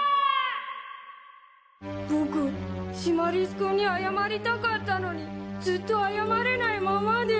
僕シマリス君に謝りたかったのにずっと謝れないままで。